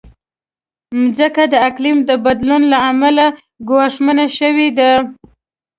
مځکه د اقلیم د بدلون له امله ګواښمنه شوې ده.